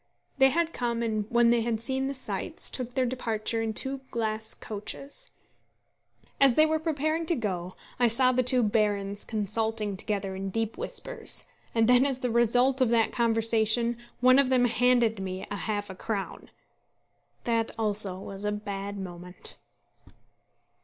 They had come and, when they had seen the sights, took their departure in two glass coaches. As they were preparing to go, I saw the two barons consulting together in deep whispers, and then as the result of that conversation one of them handed me half a crown! That also was a bad moment.